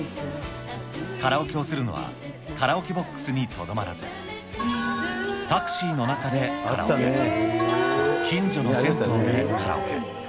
カラオケをするのはカラオケボックスにとどまらず、タクシーの中でカラオケ、近所の銭湯でカラオケ。